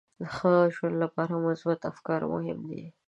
د ښه ژوند لپاره مثبت افکار مهم دي.